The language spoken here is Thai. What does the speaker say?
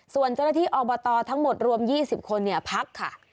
ส่วนเจ้าหน้าที่อบตทั้งหมดรวม๒๐คนพักค่ะ